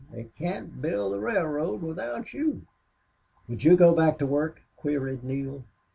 They can't build the railroad without you." "Would you go back to work?" queried Neale.